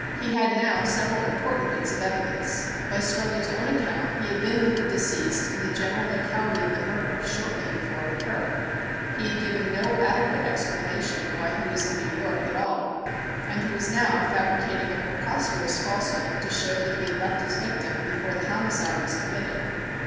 He had now several important bits of evidence. By Strollo's own account he had been with the deceased in the general locality of the murder shortly before it occurred; he had given no adequate explanation of why he was in New York at all; and he was now fabricating a preposterous falsehood to show that he had left his victim before the homicide was committed.